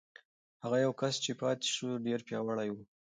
هغه یو کس چې پاتې شو، ډېر پیاوړی و.